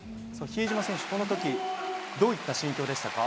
比江島選手、このときどういった心境でしたか？